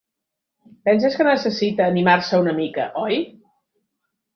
Penses que necessita animar-se una mica, oi?